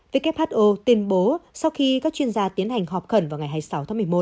who tuyên bố sau khi các chuyên gia tiến hành họp khẩn vào ngày hai mươi sáu tháng một mươi một